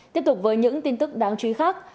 tiếp tục với những tin tức đáng truy khắc